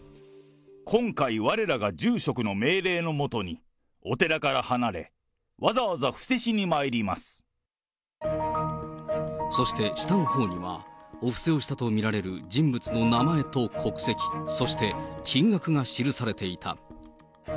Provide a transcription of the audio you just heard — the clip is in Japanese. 今回われらが住職の命令のもとに、お寺から離れ、そして下のほうには、お布施をしたと見られる人物の名前と国籍、そして金額が記されていた。